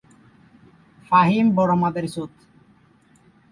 তিনি তখন তাঁর আইনি শিক্ষা গ্রহণ করেছিলেন।